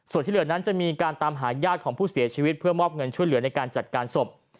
ส่วนที่เหลือนั้นจะมีการตามหาญาติของผู้เสียชีวิตเพื่อมอบเงินช่วยเหลือในการจัดการศพ